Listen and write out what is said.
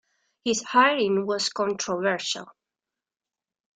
His hiring was controversial.